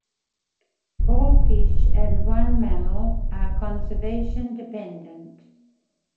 Four fish and one mammal are conservation dependent.